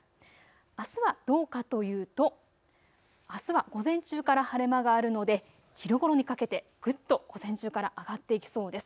あすはどうかというとあすは午前中から晴れ間があるので昼ごろにかけてぐっと午前中から上がっていきそうです。